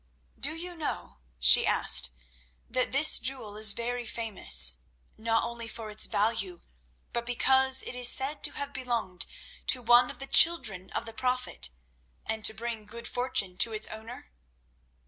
"Do you know," she asked, "that this jewel is very famous, not only for its value, but because it is said to have belonged to one of the children of the prophet, and to bring good fortune to its owner?"